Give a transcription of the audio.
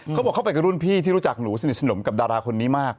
เขาบอกเขาไปกับรุ่นพี่ที่รู้จักหนูสนิทสนมกับดาราคนนี้มาก